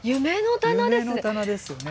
夢の棚ですね。